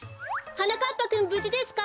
はなかっぱくんぶじですか？